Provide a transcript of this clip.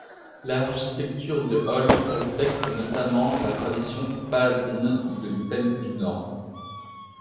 L'architecture de Holl respecte notamment la tradition paladine de l'Italie du Nord.